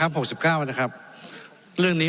ไม่ได้เป็นประธานคณะกรุงตรี